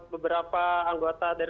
beberapa anggota dari